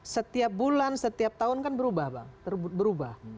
setiap bulan setiap tahun kan berubah